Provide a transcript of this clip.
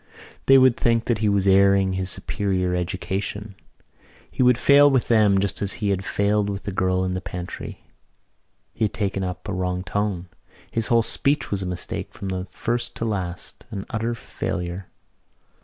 They would think that he was airing his superior education. He would fail with them just as he had failed with the girl in the pantry. He had taken up a wrong tone. His whole speech was a mistake from first to last, an utter failure.